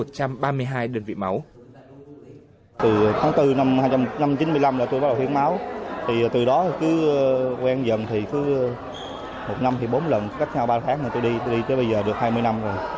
từ tháng bốn năm một nghìn chín trăm chín mươi năm là tôi bắt đầu hiến máu thì từ đó cứ quen dần thì cứ một năm thì bốn lần cách nhau ba tháng mà tôi đi tôi đi tới bây giờ được hai mươi năm rồi